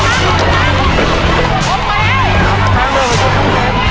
สิลูกทางน้องสะโอมไว้